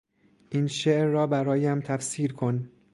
این شعر را برایم تفسیر کن!